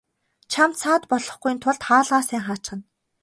Чамд саад болохгүйн тулд хаалгаа сайн хаачихна.